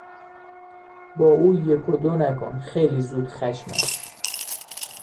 با او یک و دو نکن، خیلی زودخشم است.